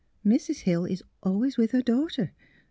"" Mrs. Hill is always with her daughter.